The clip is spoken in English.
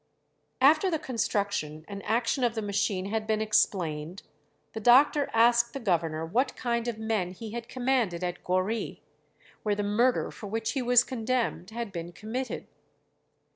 After the construction and action of the machine had been explained, the doctor asked the governor what kind of men he had commanded at Goree, where the murder for which he was condemned had been committed.